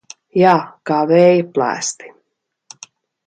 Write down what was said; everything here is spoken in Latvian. Jā, kā vēja plēsti.